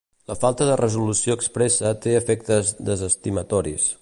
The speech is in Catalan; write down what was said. La falta de resolució expressa té efectes desestimatoris.